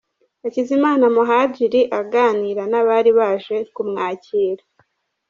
Hakizimana Muhadjili aganira n'abari baje kumwakira .